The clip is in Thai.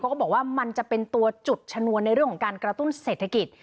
ก็บอกว่ามันจะเป็นตัวจุดชนวนในเรื่องของการกระตุ้นเศรษฐกิจ